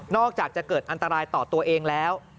อกจากจะเกิดอันตรายต่อตัวเองแล้ว